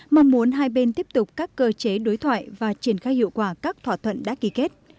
mong muốn hai bên tiếp tục các cơ chế đối thoại và triển khai hiệu quả các thỏa thuận đã ký kết